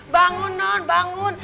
bangun non bangun